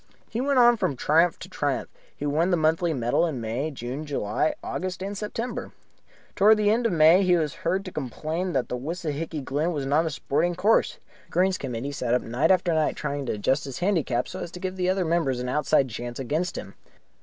He went on from triumph to triumph. He won the monthly medal in May, June, July, August, and September. Towards the end of May he was heard to complain that Wissahicky Glen was not a sporting course. The Greens Committee sat up night after night trying to adjust his handicap so as to give other members an outside chance against him.